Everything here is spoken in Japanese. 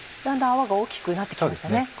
だんだん泡が大きくなって来ましたね。